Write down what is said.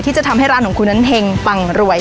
จะทำให้ร้านของคุณนั้นเฮงปังรวย